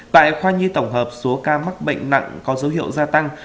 tại khoa nhi tổng hợp số ca mắc bệnh nặng có dấu hiệu gia tăng